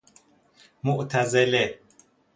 معتزله